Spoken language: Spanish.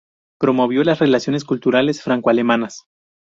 Promovió las relaciones culturales franco-alemanas.